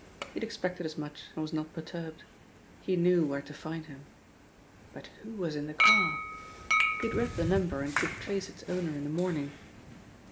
He had expected as much and was not perturbed. He knew where to find him. But who was in the car? He had read the number and could trace its owner in the morning.